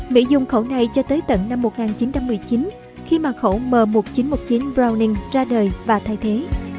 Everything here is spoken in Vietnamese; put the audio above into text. mỹ dùng khẩu này cho tới tận năm một nghìn chín trăm một mươi chín khi mà khẩu m một nghìn chín trăm một mươi chín browning ra đời và thay thế